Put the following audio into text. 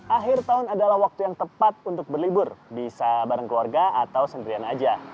akhir tahun adalah waktu yang tepat untuk berlibur bisa bareng keluarga atau sendirian aja